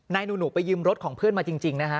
หนูไปยืมรถของเพื่อนมาจริงนะฮะ